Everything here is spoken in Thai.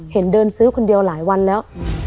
เห็นเดินซื้อคนเดียวหลายวันแล้ว